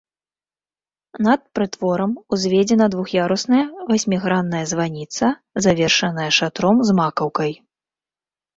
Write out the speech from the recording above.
Над прытворам узведзена двух'ярусная васьмігранная званіца, завершаная шатром з макаўкай.